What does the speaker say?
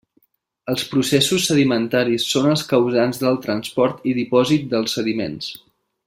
Els processos sedimentaris són els causants del transport i dipòsit dels sediments.